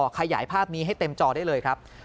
ขยายภาพนี้ให้เต็มจอได้เลยครับ